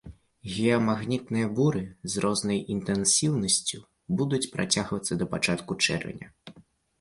Геамагнітныя буры з рознай інтэнсіўнасцю будуць працягвацца да пачатку чэрвеня.